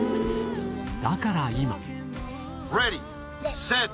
だから今。